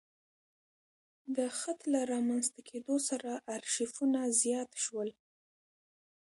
د خط له رامنځته کېدو سره ارشیفونه زیات شول.